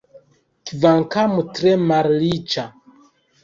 Kvankam tre malriĉa.